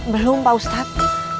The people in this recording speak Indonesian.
belum pak ustadz